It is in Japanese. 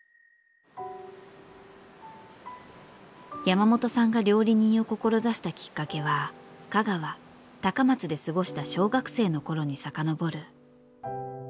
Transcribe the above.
山本さんが料理人を志したきっかけは香川高松で過ごした小学生の頃にさかのぼる。